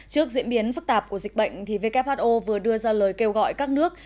trước diễn biến phức tạp của dịch bệnh who vừa đưa ra lời kêu gọi các nước